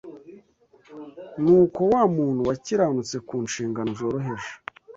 Nuko wa muntu wakiranutse ku nshingano zoroheje